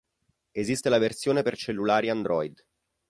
Esiste la versione per cellulari Android.